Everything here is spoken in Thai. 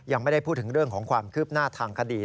ยังไม่ได้พูดถึงเรื่องของความคืบหน้าทางคดี